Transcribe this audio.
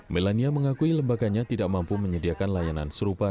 melania mengakui lembaganya tidak mampu menyediakan layanan serupa